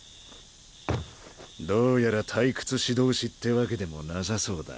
どうやら退屈し通しってわけでもなさそうだ。